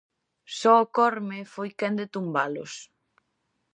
Só o Corme foi quen de tumbalos.